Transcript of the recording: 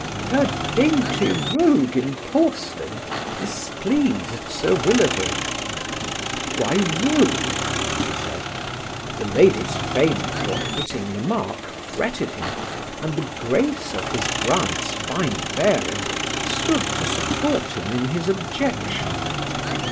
Her "dainty rogue in porcelain" displeased Sir Willoughby. "Why rogue?" he said. The lady's fame for hitting the mark fretted him, and the grace of his bride's fine bearing stood to support him in his objection.